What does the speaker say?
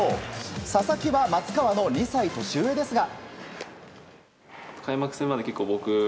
佐々木は松川の２歳年上ですが。